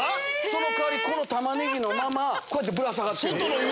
その代わりこのタマネギのままこうやってぶら下がってる。